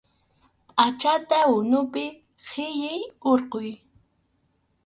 Pʼachata unupi qhillin hurquy.